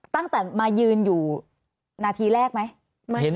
ตั้งแต่มายืนอยู่นาทีแรกไหม